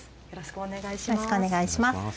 よろしくお願いします。